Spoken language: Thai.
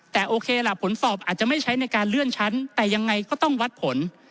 แต่โอเคล่ะผลสอบอาจจะไม่ใช้ในการเลื่อนชั้นแต่ยังไงก็ต้องวัดผล